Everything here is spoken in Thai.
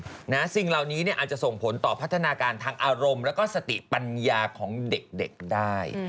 สิ่งเหล่านี้เนี่ยอาจจะส่งผลต่อพัฒนาการทางอารมณ์แล้วก็สติปัญญาของเด็กได้